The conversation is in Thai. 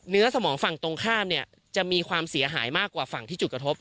สมองฝั่งตรงข้ามเนี่ยจะมีความเสียหายมากกว่าฝั่งที่จุดกระทบ